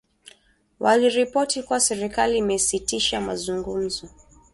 Waliripoti kuwa serikali imesitisha mazungumzo